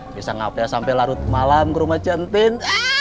bisa ngapain sampe larut malam ke rumah centin